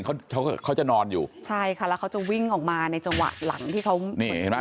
เขาเขาเขาจะนอนอยู่ใช่ค่ะแล้วเขาจะวิ่งออกมาในจังหวะหลังที่เขานี่เห็นไหม